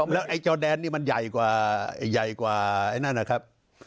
แล้วไอ้จอดแดนนี่มันใหญ่กว่าไอ้นั่นนะครับ